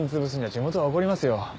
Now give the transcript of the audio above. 地元は怒りますよ